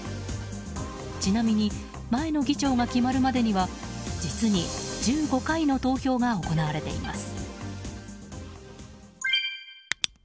ちなみに前の議長が決まるまでには実に１５回の投票が行われています。